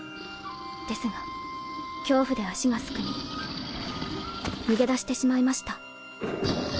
ですが恐怖で足がすくみ逃げ出してしまいました。